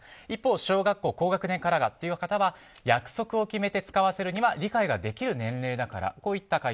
一方小学校高学年からという方は約束を決めて使わせるには理解ができる年齢だから。